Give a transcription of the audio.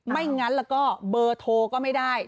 งั้นแล้วก็เบอร์โทรก็ไม่ได้